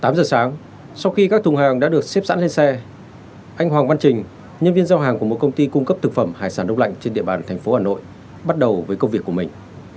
tám giờ sáng sau khi các thùng hàng đã được xếp sẵn lên xe anh hoàng văn trình nhân viên giao hàng của một công ty cung cấp thực phẩm hải sản đông lạnh trên địa bàn thành phố hà nội bắt đầu với công việc của mình